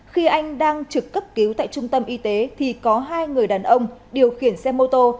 khi anh đang trực cấp cứu tại trung tâm y tế thì có hai người đàn ông điều khiển xe mô tô